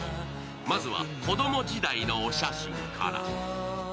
まずは子ども時代のお写真から。